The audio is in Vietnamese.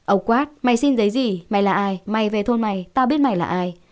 ông quát mày xin giấy gì mày là ai mày về thôn mày tao biết mày là ai